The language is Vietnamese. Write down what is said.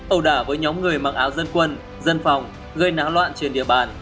ầu đả với nhóm người mặc áo dân quân dân phòng gây nã loạn trên địa bàn